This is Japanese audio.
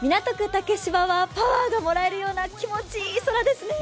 竹芝はパワーがもらえるような気持ちいい空ですね。